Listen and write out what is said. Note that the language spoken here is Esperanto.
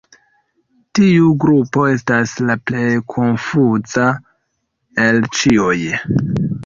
Tiu grupo estas la plej konfuza el ĉiuj.